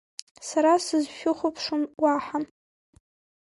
Сара сызшәыхәаԥшуам уаҳа!